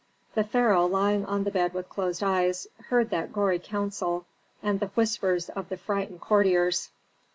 The pharaoh, lying on the bed with closed eyes, heard that gory counsel, and the whispers of the frightened courtiers.